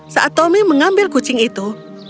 saat tommy mengambil kucing itu